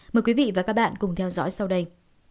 mời quý vị và các bạn cùng theo dõi sau đây